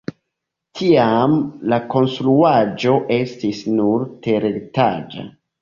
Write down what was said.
Tiam la konstruaĵo estis nur teretaĝa.